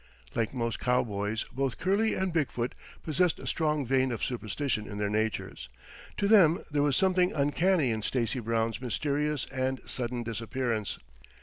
Like most cowboys, both Curley and Big foot possessed a strong vein of superstition in their natures. To them there was something uncanny in Stacy Brown's mysterious and sudden disappearance.